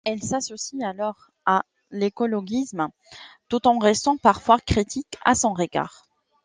Elle s'associe alors à l'écologisme tout en restant parfois critique à son égard.